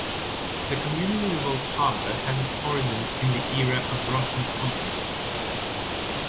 The community of Old Harbor has its origins in the era of Russian conquest.